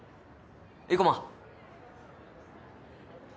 ・生駒。